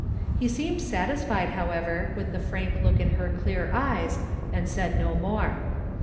He seemed satisfied, however, with the frank look in her clear eyes and said no more.